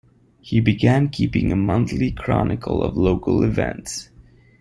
He began keeping a monthly chronicle of local events.